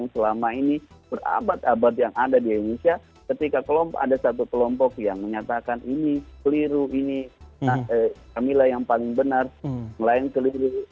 selama ini berabad abad yang ada di indonesia ketika ada satu kelompok yang menyatakan ini keliru ini camillah yang paling benar yang lain keliru